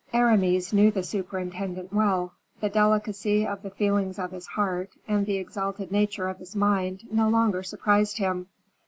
Aramis knew the superintendent well; the delicacy of the feelings of his heart and the exalted nature of his mind no longer surprised him.